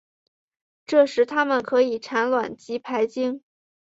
这时它们可以产卵及排精。